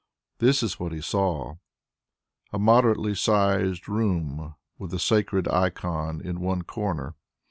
This is what he saw a moderately sized room with a sacred icon in one corner.